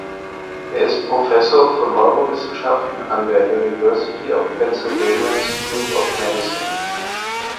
Er ist Professor für Neurowissenschaften an der University of Pennsylvania School of Medicine.